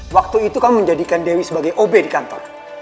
waktu itu kamu menjadikan dewi sebagai ob di kantor